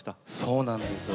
そうなんですよ。